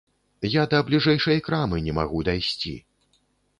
Я да бліжэйшай крамы не магу дайсці.